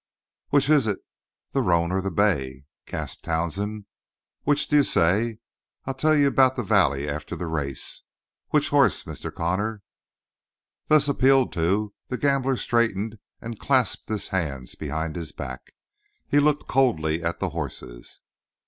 "Which is it the roan or the bay?" gasped Townsend. "Which d'you say? I'll tell you about the valley after the race. Which hoss, Mr. Connor?" Thus appealed to, the gambler straightened and clasped his hands behind his back. He looked coldly at the horses.